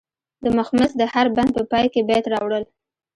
د مخمس د هر بند په پای کې بیت راوړل.